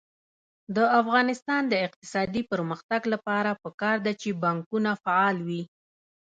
د افغانستان د اقتصادي پرمختګ لپاره پکار ده چې بانکونه فعال وي.